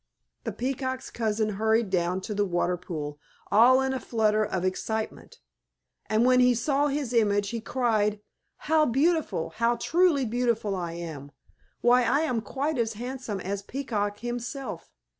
The Peacock's cousin hurried down to the water pool, all in a flutter of excitement. And when he saw his image he cried, "How beautiful, how truly beautiful, I am! Why, I am quite as handsome as Peacock himself.